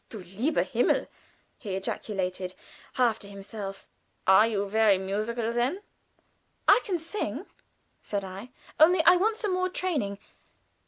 "Du lieber Himmel!" he ejaculated, half to himself. "Are you very musical, then?" "I can sing," said I. "Only I want some more training."